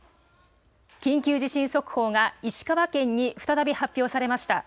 緊急地震速報が石川県に再び発表されました。